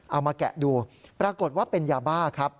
มาแกะดูปรากฏว่าเป็นยาบ้าครับ